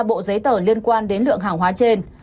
bộ giấy tờ liên quan đến lượng hàng hóa trên